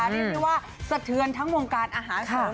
เรียกได้ว่าสะเทือนทั้งวงการอาหารเสริม